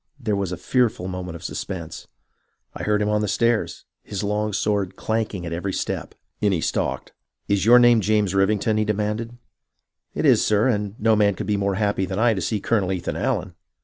There was a fearful moment of suspense. I heard him on the stairs, his long sword clanking at every step. In he stalked. "' Is your name James Rivington .*' he demanded. "' It is, sir, and no man could be more happy than I to see Colonel Ethan Allen.'